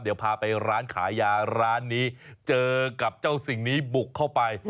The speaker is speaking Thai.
เดี๋ยวพาไปร้านขายยาร้านนี้เจอกับเจ้าสิ่งนี้บุกเข้าไป